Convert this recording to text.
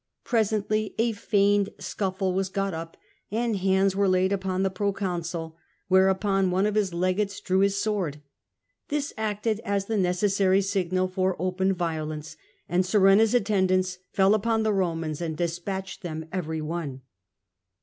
Presently a feigned scuffle was got up, and hands were laid upon the proconsul, whereupon one of his legates drew his sword. This acted as the necessary signal for open violence, and Surena's atten dants fell upon the Romans and despatched them every one.